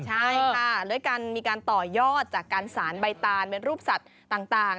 ใช่ค่ะด้วยการมีการต่อยอดจากการสารใบตานเป็นรูปสัตว์ต่าง